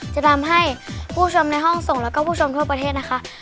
จะทำให้ผู้ชมในห้องส่งแล้วก็ผู้ชมทั่วประเทศนะคะ